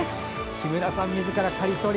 木村さんみずから刈り取り